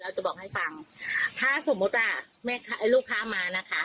เราจะบอกให้ฟังถ้าสมมติลูกค้ามานะคะ